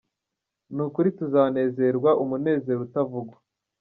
Ni ukuri tuzanezerwa umunezero utavugwa !